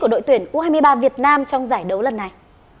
của đội tuyển u hai mươi ba việt nam trong giải đấu lần này